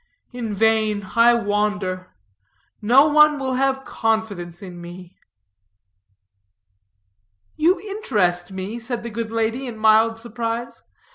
In vain, I wander; no one will have confidence in me." "You interest me," said the good lady, in mild surprise.